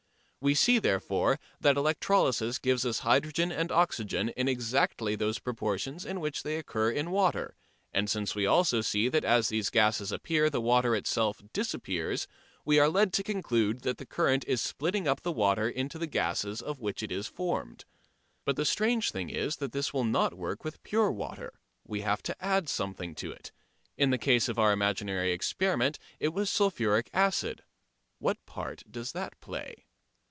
We see, therefore, that electrolysis gives us hydrogen and oxygen in exactly those proportions in which they occur in water, and since we also see that as these gases appear the water itself disappears, we are led to conclude that the current is splitting up the water into the gases of which it is formed. But the strange thing is that this will not work with pure water. We have to add something to it. In the case of our imaginary experiment it was sulphuric acid. What part does that play?